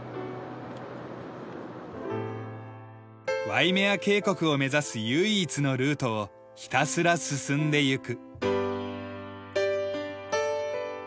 ワイメア渓谷を目指す唯一のルートをひたすら進んでゆく。